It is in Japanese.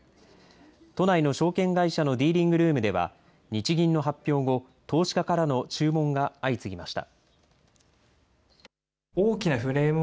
都内の証券会社のディーリングルームでは、日銀の発表後、投資家からの注文が相次ぎました。